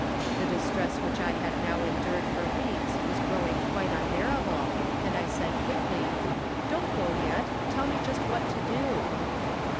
The distress which I had now endured for weeks was growing quite unbearable, and I said, quickly: " Don't go yet ; tell me just what to do."